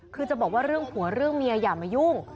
คือจะบอกว่าเรื่องผัวเรื่องเมียอย่ามายุ่ง